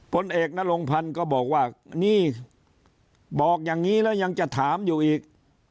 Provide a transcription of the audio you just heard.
ผลเอกนรงพันธ์ก็บอกว่านี่บอกอย่างนี้แล้วยังจะถามอยู่อีก